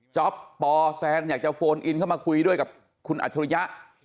จ๊อปปแซนอยากจะโฟนอินเข้ามาคุยด้วยกับคุณอัจฉริยะ